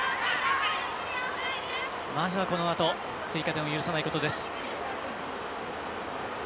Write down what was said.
まずは、このあと追加点を許さないことです。